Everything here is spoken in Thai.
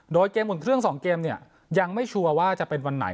โดยเกมอุ่นเครื่อง๒เกมเนี่ยยังไม่ชัวร์ว่าจะเป็นวันไหน